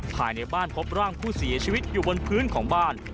ภายในบ้านพบร่างผู้เสียชีวิตอยู่บนพื้นของบ้าน